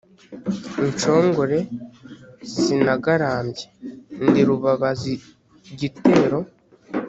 Inshongore sinagarambye ndi Rubabazigitero